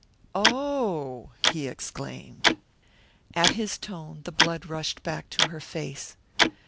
"Oh!" he exclaimed. At his tone the blood rushed back to her face.